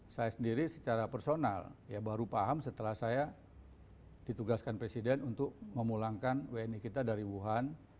saya sendiri secara personal baru paham setelah saya ditugaskan presiden untuk memulangkan wni kita dari wuhan